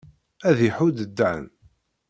Ad iḥudd Dan.